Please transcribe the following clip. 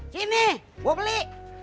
sini gua beli